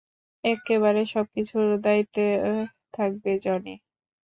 এক্কেবারে সবকিছুর দায়িত্বে থাকবে জনি।